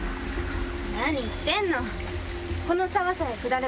何言ってんの！